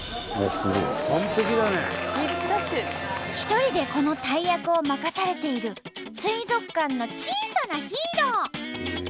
一人でこの大役を任されている水族館の小さなヒーロー！